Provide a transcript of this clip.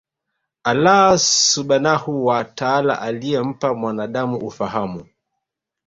Allaah Subhaanahu wa Taala Aliyempa mwanaadamu ufahamu